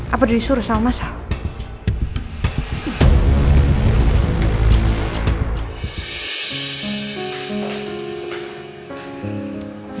apa disuruh sama sama